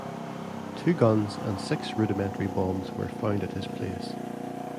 Two guns and six rudimentary bombs were found at his place.